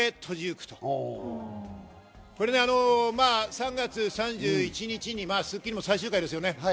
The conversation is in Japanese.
３月３１日に『スッキリ』も最終回ですよね。